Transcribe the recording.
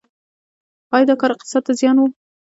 آیا دا کار اقتصاد ته زیان و؟